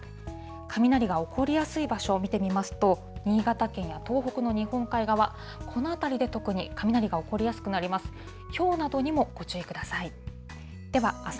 雷が起こりやすい場所を見てみますと、新潟県や東北の日本海側、この辺りで特に雷が起こりやすくなります。